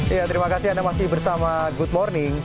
ya terima kasih anda masih bersama good morning